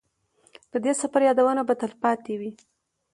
د دې سفر یادونه به تلپاتې وي.